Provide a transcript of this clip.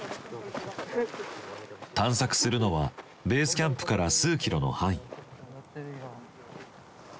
探索するのはベースキャンプから数キロの範囲。